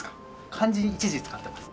漢字一字使ってます。